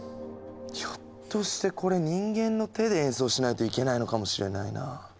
ひょっとしてこれ人間の手で演奏しないといけないのかもしれないな。